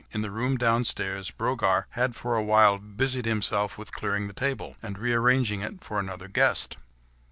In the room downstairs, Brogard had for a while busied himself with clearing the table, and re arranging it for another guest.